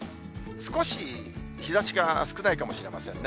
少し日ざしが少ないかもしれませんね。